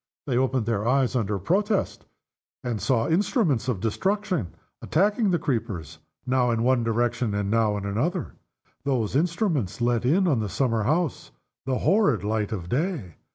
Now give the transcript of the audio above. They opened their eyes, under protest, and saw instruments of destruction attacking the creepers. Now in one direction, and now in another, those instruments let in on the summer house the horrid light of day.